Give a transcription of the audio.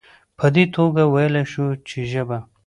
په دي توګه ويلايي شو چې ژبه